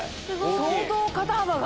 相当肩幅が。